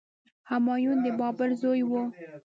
همایون د بابر زوی و.